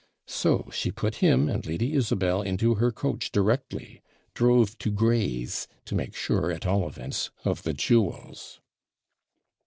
so she put him and Lady Isabel into her coach directly drove to Gray's, to make sure at all events of the jewels.